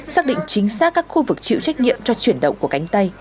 xác định chính xác các khu vực chịu trách nhiệm cho chuyển động của cánh tay